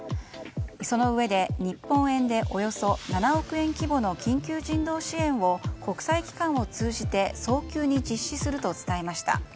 そのうえで日本円でおよそ７億円規模の緊急人道支援を国際機関を通じて早急に実施すると伝えました。